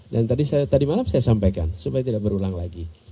dan tadi malam saya sampaikan supaya tidak berulang lagi